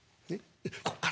こっからだ。